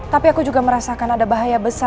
tapi aku juga merasakan ada bahaya besar